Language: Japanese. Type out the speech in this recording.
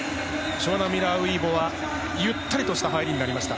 ショーニー・ミラー・ウイボはゆったりとした入りになりました。